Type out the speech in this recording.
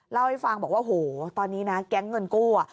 เล่าให้ฟังบอกว่าโอ้โหตอนนี้นะแก๊งเงินกู้อ่ะ